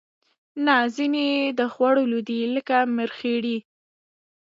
نه ځینې یې د خوړلو دي لکه مرخیړي